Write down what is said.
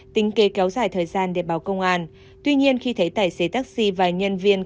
tính kê kéo dài thời gian để báo công an